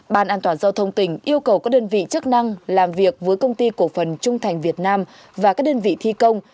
ban an toàn giao thông tỉnh yêu cầu các đơn vị chức năng làm việc với công ty cổ phần trung thành việt nam và các đơn vị thi công